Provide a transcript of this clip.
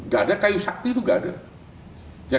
gak ada kayu sakti itu nggak ada